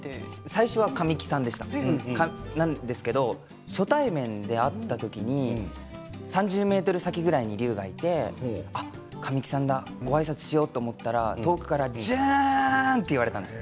神木さんが年上なんですけれども初対面で会った時に３０ｍぐらい先に隆がいて神木さんだ、ごあいさつしようと思ったら遠くから淳って言われたんです。